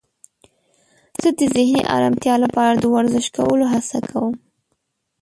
زه د ذهني آرامتیا لپاره د ورزش کولو هڅه کوم.